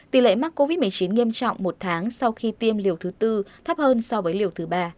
tỷ lệ mắc covid một mươi chín nghiêm trọng một tháng sau khi tiêm liều thứ tư thấp hơn so với liều thứ ba